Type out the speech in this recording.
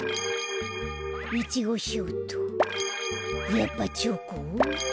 やっぱチョコ？